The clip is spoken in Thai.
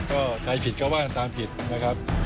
ก็ใครผิดก็ว่ากันตามผิดนะครับ